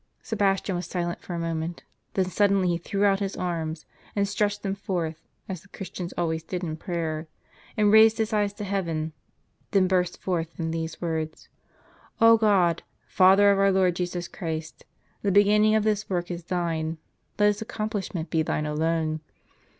Sebastian was silent for a moment; then suddenly he threw out his arms, and stretched them forth, as the Chris tians always did in prayer, and raised his eyes to heaven ; then burst forth in these words : "0 God! Father of our Lord Jesus Christ, the beginning of this work is Thine ; let its accomphshment be Thine alone.